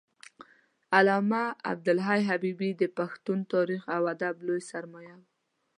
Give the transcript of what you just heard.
علامه عبدالحی حبیبي د پښتون تاریخ او ادب لوی سرمایه و